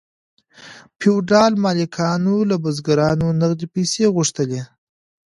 فیوډال مالکانو له بزګرانو نغدې پیسې غوښتلې.